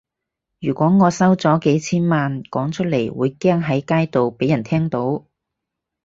如果我收咗幾千萬，講出嚟會驚喺街度畀人聽到